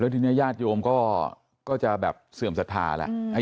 ทีนี้ญาติโยมก็จะแบบเสื่อมศรัทธาแล้ว